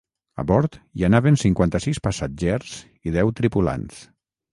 A bord hi anaven cinquanta-sis passatgers i deu tripulants.